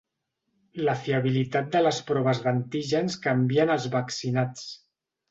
La fiabilitat de les proves d’antígens canvia en els vaccinats.